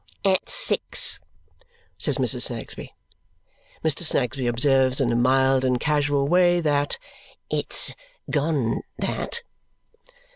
"At six," says Mrs. Snagsby. Mr. Snagsby observes in a mild and casual way that "it's gone that."